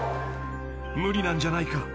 ［無理なんじゃないか］